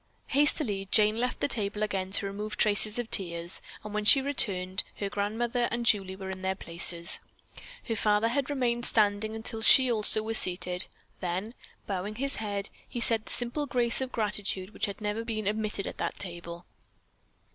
Hastily Jane left the table to again remove the traces of tears, and when she returned, her grandmother and Julie were in their places. Her father had remained standing until she also was seated. Then, bowing his head, he said the simple grace of gratitude which had never been omitted at that table.